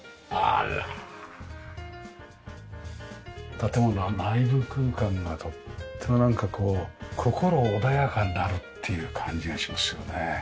建物の内部空間がとってもなんかこう心穏やかになるっていう感じがしますよね。